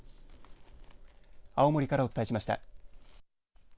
青森からお伝えしました。